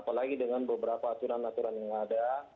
apalagi dengan beberapa aturan aturan yang ada